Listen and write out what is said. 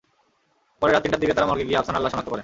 পরে রাত তিনটার দিকে তাঁরা মর্গে গিয়ে আফসানার লাশ শনাক্ত করেন।